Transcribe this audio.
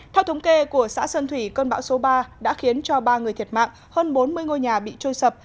theo thống kê của xã sơn thủy cơn bão số ba đã khiến cho ba người thiệt mạng hơn bốn mươi ngôi nhà bị trôi sập